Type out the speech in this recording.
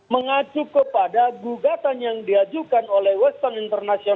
mengacu kepada gugatan yang diajukan oleh weston international